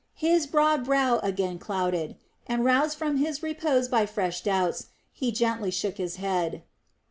His broad brow again clouded, and roused from his repose by fresh doubts, he gently shook his head.